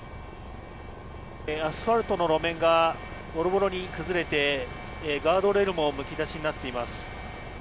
アスファルトの路面がボロボロに崩れてガードレールもむき出しになっています。